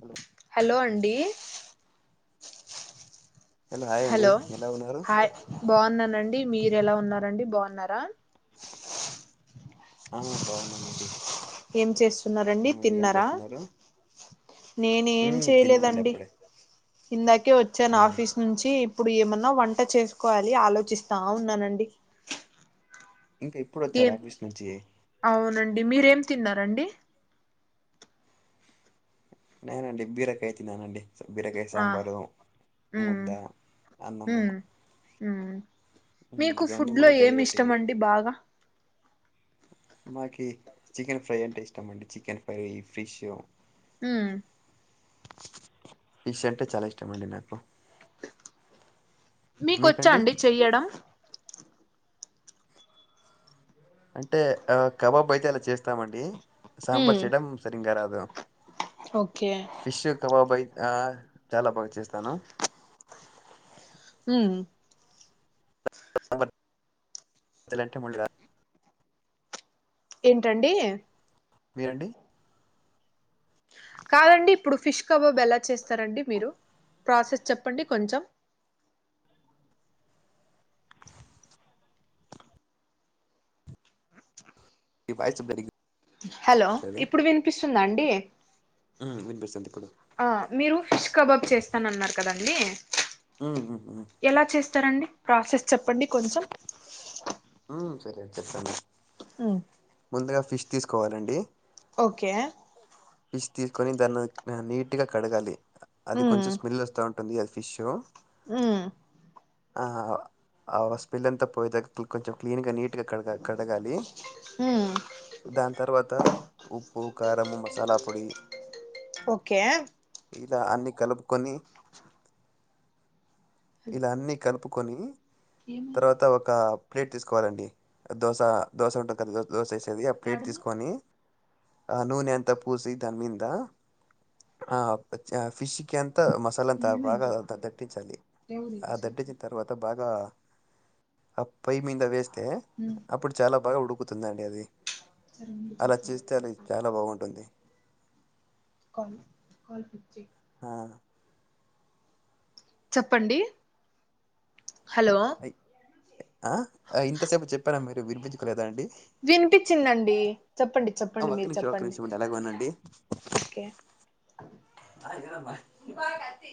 Hello hello అండి hi అండి hello ఎలా ఉన్నారు హయ్ బాగున్నానండి మీరు ఎలా ఉన్నారండి బాగున్నారా ఆ బాగున్నామండి ఏం చేస్తున్నారండి తిన్నారా నేను ఏం మ్మ్ తిన్నామండి చేయలేదండి అప్పుడే ఇందకే వచ్చాను అవును ఆఫీస్ నుంచి ఇప్పుడు ఏమన్నా వంట చేసుకోవాలి ఆలోచిస్తా ఉన్నానండి ఇంకా ఇప్పుడు వచ్చారు ఏం ఆఫీస్ నుంచి అవునండి మీరేం తిన్నారండి నేనఅండి బీరకాయ తిన్నానండి బీరకాయ ఆ సాంబారు ఉమ్ ముద్ద అన్నము ఉమ్ మ్మ్ మీకు ఇదే అండి ఫుడ్ లో మాది డైలీ ఏమి ఇష్టం రొటీన్ అండి బాగా మాకి చికెన్ ఫ్రై అంటే ఇష్టం అండి చికెన్ ఫ్రై ఫిష్ ఉ ఫిష్ ఉంటే చాల ఇష్టమండి నాకు మీకొచ్చా మీకండి అండి చెయ్యడం. అంటే కబాబు అయితే అలా చేస్తామండి. సాబార్ ఉమ్ చేయాడం సరింగా రాదు. ఓకే ఫిష్ కబాబ్ అయి ఆ చాలా బాగా చేస్తాను. ఉ. అదలంటే మళ్ళ. ఏంటండి. మీరండి. కాదండి ఇప్పుడు ఫిష్ కబాబ్ ఎలా చేస్తారండి మీరు ప్రాసెస్ చెప్పండి కొంచెం. ఈ బాయ్ చెప్పనికే. హలో ఇప్పుడు వినిపిస్తుందా అండి. ఆ వినిపిస్తుంది ఇప్పుడు. ఆ మీరు ఫిష్ కబాబ్ చేస్తానన్నారు కదండి. ఉ ఉ ఉ. ఎలా చేస్తారండి ప్రాసెస్ చెప్పండి కొంచెం. ఉ సరే అండి చెప్తాను. ఉ. ముందుగా ఫిష్ తీసుకోవాలండి. ఓకే. ఫిష్ తీసుకొని దాన్ని నీట్గా కడగాలి అది మ్మ్ కొంచెం స్మెల్ వస్తా ఉంటుంది అది ఫిష్. ఉ. ఆ ఆ స్పెల్ అంతా పోయే దాకా కొంచెం క్లీన్ గా నీట్ గా కడగాలి. కడగాలి. మ్మ్ దాని తర్వాత ఉప్పు కారంము మసాలా పొడి. ఓకే. ఇలా అన్ని కలుపుకొని ఇలా అన్ని. కలుపుకొని తర్వాత ఒక. ప్లేట్ తీసుకోవాలండి దోశ దోశ ఉంటుంది కదా దోశ వేసేది ఆ ప్లేట్ తీసుకొని. ఆ నూనె అంత పూసి దనిమింద. ఆ చ ఫిష్కీ అంత మసాలా అంత ఏమైంది బాగా చెప్పు దట్టించాలి దేవుడు ఆ ఇంతసేపు దటించి. తర్వాత బాగా ఆ పై మీద వేస్తే ఉమ్ అప్పుడు చాలా బాగా ఉడుకు తుందండి అది సరే ఉండు అలా చేస్తా ఆగు. చేస్తే అది చాలా బాగుంటుంది. కాల్ కాల్ పిచ్చి. ఆ. చెప్పండి హలో. ఆ ఇంతసేపు చెప్పారా మీరు వినిపించుకోలేదా అండి. వినిపించిందండి చెప్పండి. ఆ చెప్పండి ఒక్క మీరు నిమిషం ఒక్క చెప్పండి నిమిషం ఉండి అలాగే ఉండండి. ఓకే అదిరాబ. దీపాలికత్తి.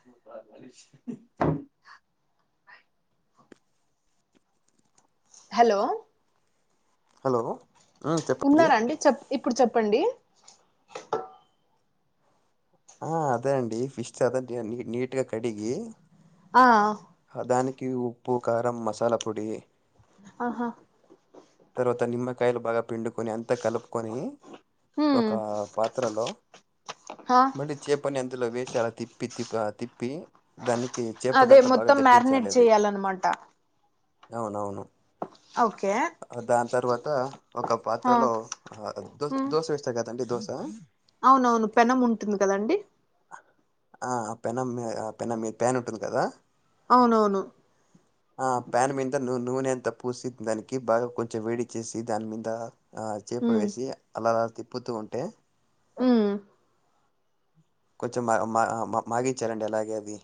[inaudible] హలో. హలో. హ్మ్. చెప్పండి. ఉన్నార అండి చెప్ప ఇప్పుడు చెప్పండి. ఆ అదే అండి ఫిష్ చాలా అది నీట్గా కడిగి. ఆ దానికి ఉప్పు కారం మసాలా పొడి ఆహా తరువాత నిమ్మకాయలు భాగా పిండ్ కొని అంతా కలుపుకొని హ్మ్ ఒక పాత్రలో ఆ మళీ చేపని అందులో వేసి అలా తిప్పి తిప్ప తిప్పి దానికి చేపక అదే అంతా బాగా మొత్తం మ్యారినేట్ దట్టించాలి అది చేయాలన్నమాట అవునవును ఓకే దాని తర్వాత ఒక ఆ పాత్రలో దో హ్మ్ దోశ వేస్తారు కదండి దోశ అవునవును పెనం ఉంటుంది కదండి ఆ ఆ పెనమె ఆ పెన మీ ప్యాన్ ఉంటుంది కదా అవునవును ఋ ఆ ప్యాన్ మీద నువ్వు నూనెంత పూసి దానికి బాగా కొంచెం వేడి చేసి దాని మింద ఆ చేప ఉమ్ వేసి అలాలా తిప్పుతూ ఉంటే హు కొంచెం మా మా మాగిచ్చారండి అలాగే అది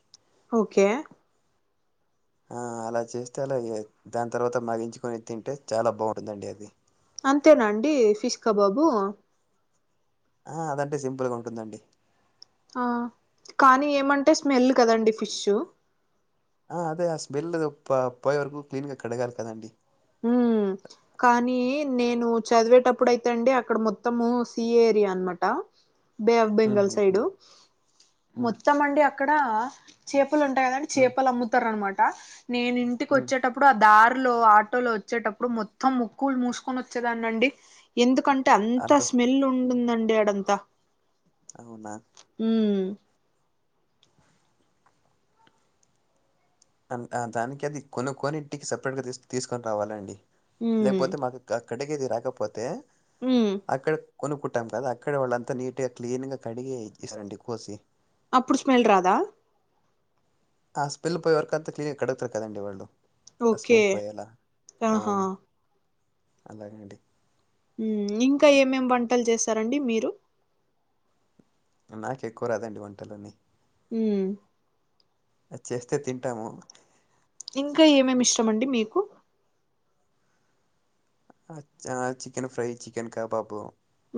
ఓకే ఆ అలా చేస్తే అలా దాని తర్వాత మగించుకొని తింటే చాలా బాగుంటుందండి అది అంతేనండి ఫిష్ కబాబు ఆ అద అంటే సింపుల్గా ఉంటుందండి ఆ కానీ ఏమంటే స్మెల్ కదండి ఫిష్ ఆ అదే ఆ స్మెల్ పోయే వరకు క్లీన్ గా కడగాలి కదండి ఉమ్ స కానీ నేను చదివేటప్పుడు అయితే అండి అక్కడ మొత్తము సీ ఏరియా అనమాట బే ఆఫ్ బెంగాల్ ఉహుహు సైడు ఉమ్ మొత్తం అండి అక్కడ చేపలు ఉంటాయి కదండి ఉమ్ చేపలు అమ్ముతారు అనమాట నేను ఇంటికి ఉమ్ వచ్చేటప్పుడు ఆ దారిలో లో వచ్చేటప్పుడు మొత్తం ముక్కులు మూసుకొని వచ్చేదాన్ని అండి ఎందుకన్ అంటే అంతా అంత స్ స్మెల్ ఉంటుందండి అడంతా అవునా ఉ అ దానికి అది కొనుక్కొని ఇంటికి సపరేట్గా తీసు తీసుకొని రావాలండి ఉమ్ లేకపోతే మాకు కటిగేది రాకపోతే ఉ అక్కడ కొనుక్కుంటాం కదా అక్కడ వాళ్ళంతా నీట్గా క్లీన్గా కడిగి ఇసారండి కోసి అప్పుడు స్మెల్ రాదా ఆ స్పిల్ పోఎవరకు అంత క్లీన్గా కడుతారు కదండి వాళ్ళు ఆ ఓకే స్మెల్ పోయేలా ఆ ఆహా అలాగండి ఉమ్ ఇంకా ఏమేం వంటలు చేస్తారండి మీరు నాకి ఎక్కువ రాదండి వంటలు అన్ని హ అది చేస్తే తింటాము ఇంకా ఏమేమి ఇష్టమండి మీకు ఆ చికెన్ ఫ్రై చికెన్ కబాబు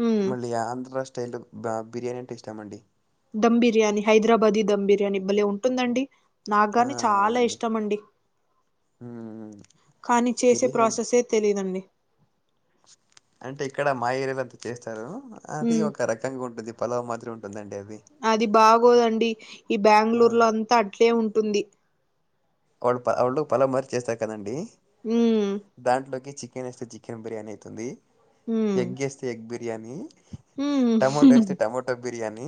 ఉమ్ మళ్ళీ ఆంధ్రా స్టేట్ లు బా బిర్యానీ అంటే ఇష్టామండి. ధమ్ బిర్యానీ హైదరాబాదీ ధమ్ బిర్యానీ బలే ఉంటుందండి. ఆ నాకుగాని చాలా అవునండి ఇష్టం అండి మ్మ్ కానీ చేసే బిర్యానీ ప్రాసెసే. తెలీదండి. అంటే ఇక్కడ మాయరలంతా చేస్తారు అది ఉమ్ ఒక రకంగా ఉంటది. పలావ్ మాదిరి ఉంటుందండి అది. అది బాగోదండి ఈ ఆ బెంగళూరు లో అంతా అట్లే ఉంటుంది. వాళ్ళు వాళ్ళు పలంమరి చేస్తారు కదండి. ఉ. దాంట్లోకి చికెన్ వేస్తే చికెన్ బిర్యానీ అవుతుంది ఉమ్ ఎగ్ వేస్తే ఎగ్ బిర్. బిర్యాని ఉమ్ టమోటో వేస్తే టమోటో బిర్యాని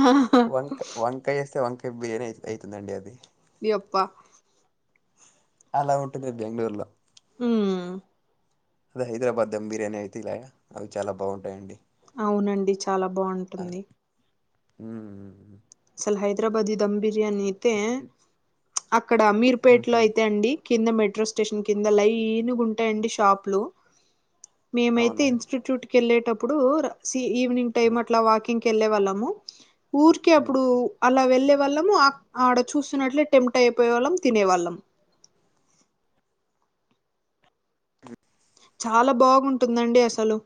ఆహా వంక వం. కాయ చేస్తే వంకాయ బిర్యానీ అయి అవుతుందండి అది ఇ అప్పా. అలా ఉంటది బెంగళూర్ లో. ఉ. హైదరాబాద్ దమ్ బిర్యానీ అయితే ఇలాయా అవి చాలా బాగుంటాయియండి. అవునండి చాలా బాగుంటుంది. ఉ అసలు హైదరాబాద్ ధమ్ బిర్యానీ అయితే అక్కడ అమీర్ పేట్ హుహు అయితే అండి. కింద మెట్రో స్టేషన్ కింద లైనుగుమ్టాయండి షాపులు. మేమైతే అవునా ఇన్స్టిట్యూట్ కెళ్ళేటప్పుడు సి ఈవినింగ్ ఆ టైమ్ అట్లా వాకింగ్. ఇంకెళ్ళే వాళ్ళము ఊరి కె హ్మ్ అప్పుడు. అలా వెళ్లే వాళ్ళము ఆడ చూస్తున్నట్లే టెంప్ట్ అయిపోయే వాళ్ళం తినేవాళ్ళం అ చాలా బాగుంటుందండి అసలు.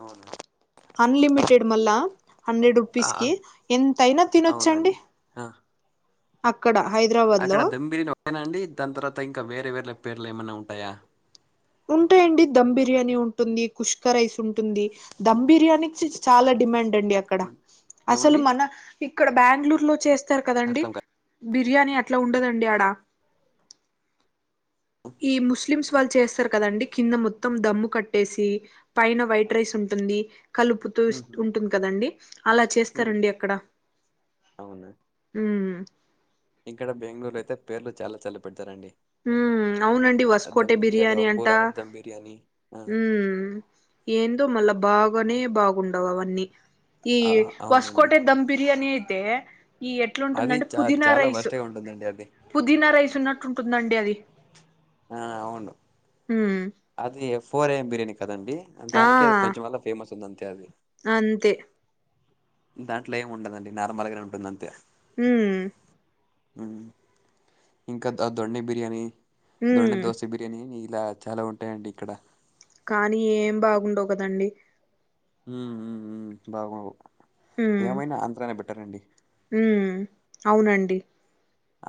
అవున. అన్లిమిటెడ్ మళ్ళా హండ్రెడ్ ఆ ఆ, రూపీస్కి ఎంతైనా తినొచ్చండి. అవునండి ఆ. అక్కడ హైదరాబాద్. అక్కడ లో దమ్ బిర్యాని ఒక్కటేనా అండి దాన్ తవాత ఇంకా వేరే వేరే పేర్లు ఏమైన్నా ఉంటాయా. ఉంటాయండి ధమ్ బిర్యానీ ఉంటుంది కుష్కా రైస్ ఉంటుంది. ధమ్ బిర్యానీ చిచ్ చాలా డిమాండ్ అండి అక్. ఇక్కడ అసలు ఏమండి మన ఇక్కడ బెంగళూరు లో చేస్తారు కదండి. అర్థం కాలే బిర్యానీ అట్లా ఉండదండి ఆడ. ఈ ముస్లిమ్స్ వాళ్ళు చేస్తారు కదండి కింద ము. దమ్ము కట్టేసి పైన వైట్ రైస్ ఉంటుంది కలుపు. హుహు ఉంటుంది కదండి అలా హ్మ్ చేస్తారండి అక్కడ. అవునా ఉ. ఇక్కడ బెంగళూరులో అయితే పేర్లు చాలా చాలా పెడతారండి. ఊ అవునండి ఆ వసుకోటె దమ్ బిర్యాలో బిర్యానీ అంట అంబూరా హాట్ దమ్ బిర్యానీ ఆ ఊ. ఏందో మళ్ళా బాగోనే బాగుండవు అవన్నీ. ఈ ఆ అవునండి వస్కోటె దమ్ బిర్యాని అయితే ఈ ఎట్. అది ఎట్లాంటుందండి చా పుదీనా చాలా రైస్ వరస్ట్‌గా ఉంటుందండి అది పుదీనా రైస్ ఉన్నట్టు ఉంటుందండి అది. ఆ అవును ఉమ్ అది ఎ ఫోర్ ఎం బిర్యానీ. కదండి ఆ దానికి అది కొంచెం వల్ల ఫేమస్ ఉంది అంతే అది. అంతే. దాంట్లో ఏమి ఉండదండి నార్మల్గానే ఉంటుంది అంతే. ఉహూ. ఉమ్ ఇంకా దా దొండె బిర్యానీ దొండ ఉమ్ దోశ బిర్. తేని ఇలా చాలా ఉంటాయండి ఇక్కడ. కానీ ఏం బాగుండవు కదండి. ఉమ్ ఉమ్ ఉమ్ బాగోవు ఏమైనా ఆంధ్రనే బెటర్ అండి. ఉమ్ అవునండి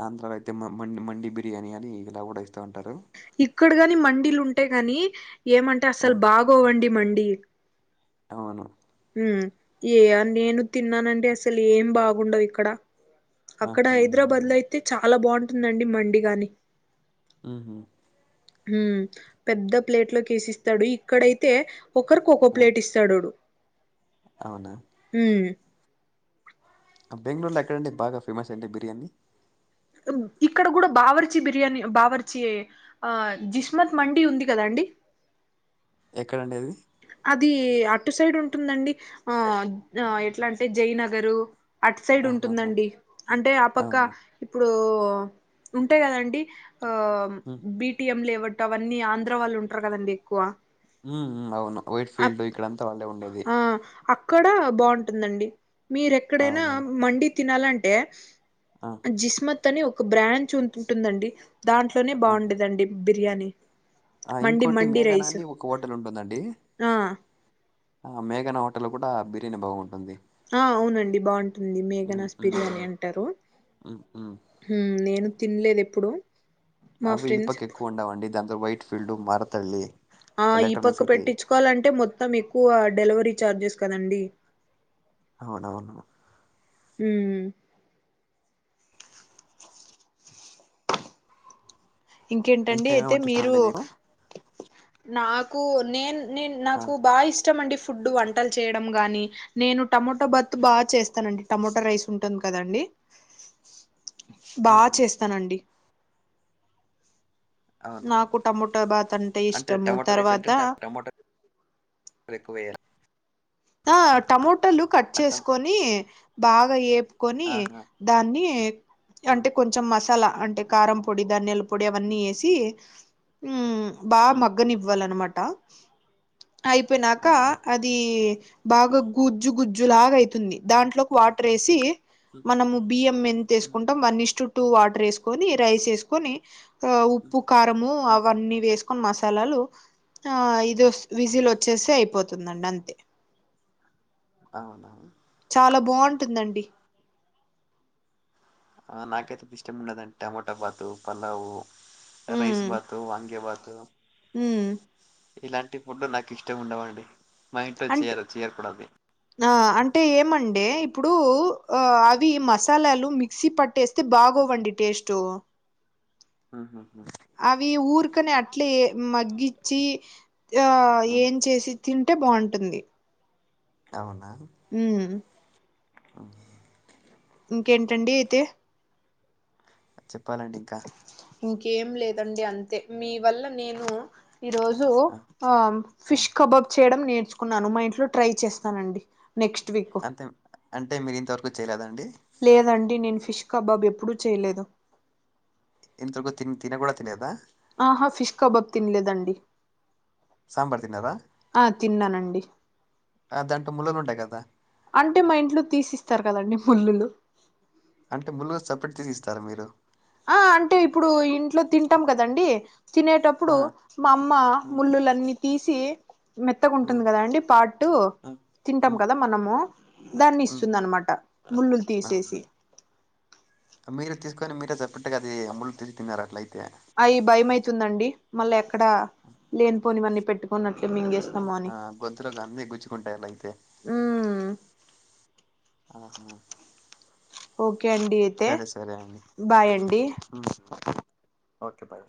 ఆంధ్రాలో అయితే మ మండి మండి బిర్యానీ అని ఇలా కూడా ఇస్తూ ఉంటారు. ఇక్కడ కాని మండీలు ఉంటాయి గాని ఏమంటే ఆ అసలు బాగోవండి మండి. అవును. ఉమ్ నేను తిన్నాను అండి అసలు ఏం బాగుండవు ఇక్కడ. అక్కడ ఆహా హైదరాబాద్ అవునా లో అయితే చాలా బాగుంటుందండి మండి గాని. ఉహు. ఉమ్ పెద్ద ప్లేట్ లోకేసి ఇస్తాడు ఇక్కడైతే ఒకరికి ఒకోక్కో ఆ ప్లేట్ ఇస్తాడోడు. అవునా. ఉమ్. బెంగళూరులో ఎక్కడాండి బాగా ఫేమస్ అండి బిర్యానీ. ఉమ్ ఇక్కడ కూడా బావర్చి బిర్యానీ బావర్చి. ఆహ్ జిస్మత్ మండి ఉంది కదా అండి. ఎక్కడండి అది. అది అటు సైడ్ ఉంటుందండి ఆహ్ ఆహ్ ఎట్లా అంటే జయ్ నగరు. అట్ సైడ్ ఆహాహా ఉంటుందండి అంటే ఆ పక్క. అవునా ఇప్పుడు ఉంటాయి కదండి ఆహ్ మ్మ్ బిటిఎం లే అవుట్. ట అవన్నీ ఆంధ్ర వాళ్ళు ఉంటారు కదండి ఎక్కువ. ఉమ్ ఉమ్ అవును వైట్ ఫీల్డ్ ఇక్కడంతా వాళ్ళే ఉండేది. ఆహ్ అక్కడ బాగుంటుందండి మీరేక్కడైనా అవునా మండి తినాలంటే. ఆ! జిస్మత్ అని ఒక బ్రాంచ్ ఉంటంటుందండి. దాంట్లోనే బాగుండుదండి బిర్యానీ. ఆహ్ మండి ఇంకోటి మేఘనాని ఒక హోటల్ ఉంటుందండి. ఆహ్. ఆహ్ మేఘనా హోటల్ లో కూడా బిర్యానీ బాగుంటుంది. ఆహ్ అవునండి బాగుంటుంది హ్మ్. మేఘనాస్ హ్మ్. బిర్యానీ హ్మ్. అంటారు. హ్మ్. హ్మ్. ఉమ్ నేను తినలేదు ఎప్పుడు. మా అవి ఈ ఫ్రెండ్స్ పక్క ఎప్పుడు ఎక్కువ ఉండవండి దానింతో వైట్ ఫీల్డ్ మారుతల్లి. ఆహ్ ఈ పక్క పెట్టించుకోవాలంటే మొత్తం ఎక్కువ డెలివరీ ఛార్జెస్ కదండి. అవునవును. ఉమ్. ఇంకేంటండి ఇంకా అయితే ఏమేమంటే మీరు. ఇష్టమండి మీకు? నాకు నేను నేను ఆ! నాకు బాగా ఇష్టం అండి. ఫుడ్ వంటలు చేయడం కానీ. నేను టమోటో బత్తు బాగా చేస్తానండి టమోటో రైస్ ఉంటుంది కదండి. బాగా ఆహా! చేస్తానండి. అవునా నాకు టమోటా బాత్ అంటే ఇష్టము టమాటో రైస్ అంటే తర్వాత దాంట్లో టమాట. ఎక్కువయ్యా ఆ టమోటలు కట్ ఆ! టమ చేసుకొని బాగా ఎపు కొని ఆహా! దాన్ని హ్మ్. అంటే కొంచెం మసాలా అంటే కారం పొడి ధనియాలు పొడి హ్మ్. అవన్నీ వేసి ఉమ్ బా హ్మ్. మగ్గనివ్వాలన్నమాట అయిపోయినాక అవునా? అది అది బాగా గుజ్జు గుజ్జు లాగా అయితుంది దాంట్లోకి వాటర్ వేసి హ్మ్. మనము బియ్యం ఎంత హ్మ్. వేసుకుంటం వన్ ఇస్టు టూ వాటర్ వేసుకొని రైస్ వేసుకొని ఆ హ్మ్. ఉప్పు కారంము హ్మ్. అవన్నీ వేసుకొని మసాలాలు ఆ ఇది వస్తె విజిల్ హ్మ్. వచ్చేస్తే అయిపోతుందండి అంతే అవునా చాలా బావుటుందండి నాకైతే ఇష్టం ఉండదండి టమాటా పాతు పలావు రైస్ ఉమ్ భాతు వంగే భాత్ ఉమ్ ఇలాంటి ఫుడ్ నాకు ఇష్టం ఉండవండి మా ఇంట్లో అంటే చేయరు చేయరుకూడ అండి ఆ అంటే ఏమండే ఇప్పుడు ఆ అవి మసాలాలు మి క్సి పట్టేస్తే బాగోవండి టేస్టు ఉహూ అవి ఊర్కనే అట్లే మగ్గించి ఆ ఏం చేసి తింటే బాగుంటుంది అవునా ఉమ్ అ ఇంకేంటండి అయితే చెప్పాలండి ఇంకా ఇంకేం లేదండి అంతే మీ వల్ల నేను ఈ రోజు ఆ ఆ. ఫిష్ కబాబ్ చే చేయడం నేర్చుకున్నాను మా ఇంట్లో ట్రై చేస్తానండి నెక్స్ట్ వీక్ అంటే మీరు ఇంతవరకు చేయలేదండి లేదండి నేను ఫిష్ కబాబ్ ఎప్పుడూ చేయలేదు ఇంతరకు ముందు తి తిన కూడా తినలేదా ఆహా ఫిష్ కబాబ్ తినలేదండి సాంబార్ తిన్నరా ఆ తిన్నానండి అ దాంట్లో ముళరు ఉంటయి గదా అంటే మా ఇంట్లో తీసిస్తారు కదండి ముల్ళులు అంటే ముల్లులు సపరేట్ తీసి ఇస్తారా మీరు ఆ అంటే ఇప్పుడు ఇంట్లో తింటాం కదండి తినేటప్పుడు మా అమ్మ ముళ్ళులన్నీ తీసి మెత్తగుంటుంది కదా అండి పార్ట్ తింటాం కదా మనము దాన్ని ఇస్తుందనమాట ముళ్ళులు తీసేసి మీరే తీసుకొని మీరే చెప్పెట్టుగా అది ముళ్ళు తెచ్చి తిన్నారు అట్లయితే అయి భయం అవుతుందండి మళ్ళీ ఎక్కడా లేనిపోని ఇవన్నీ పెట్టుకున్నట్లు మింగే ఆ గొంతులోకి అన్ని గుచ్చుకుంటాయి అలా అయితే ఉమ్ ఆహా ఓకే అండి అయితే సరే సరే అండి బాయ్ అండి ఓకే బాయ్